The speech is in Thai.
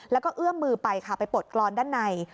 แล้วก็เอื้อมมือไปค่ะไปปลดกรอนด้านใน